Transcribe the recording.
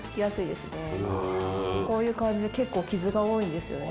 こういう感じで結構傷が多いんですよね